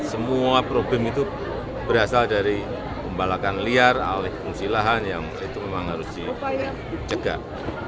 semua problem itu berasal dari pembalakan liar alih fungsi lahan yang itu memang harus dicegah